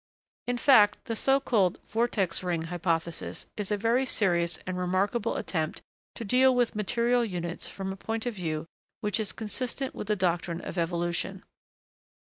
In fact, the so called 'vortex ring' hypothesis is a very serious and remarkable attempt to deal with material units from a point of view which is consistent with the doctrine of evolution.